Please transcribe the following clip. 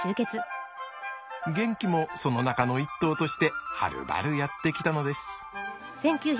ゲンキもその中の一頭としてはるばるやって来たのです。